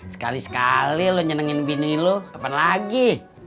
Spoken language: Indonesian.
sekali sekali lu nyenengin bini lu kapan lagi